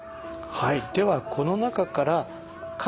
はい。